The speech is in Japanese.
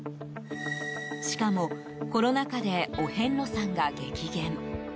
しかも、コロナ禍でお遍路さんが激減。